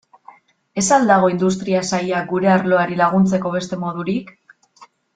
Ez al dago Industria Sailak gure arloari laguntzeko beste modurik?